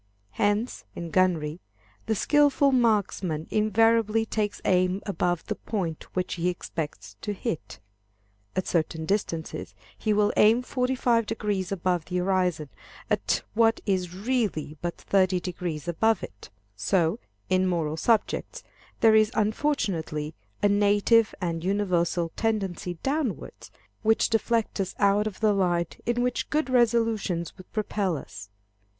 Hence, in gunnery, the skilful marksman invariably takes aim above the point which he expects to hit. At certain distances, he will aim 45° above the horizon at what is really but 30° above it. So, in moral subjects, there is unfortunately a native and universal tendency downwards, which deflects us out of the line in which good resolutions would propel us.